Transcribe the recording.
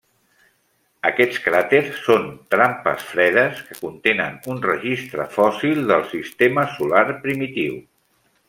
Aquests cràters són trampes fredes que contenen un registre fòssil del sistema solar primitiu.